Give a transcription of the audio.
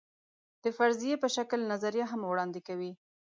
د فرضیې په شکل نظریه هم وړاندې کوي.